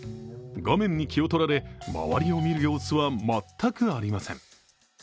画面に気を取られ、周りを見る様子は全くありません。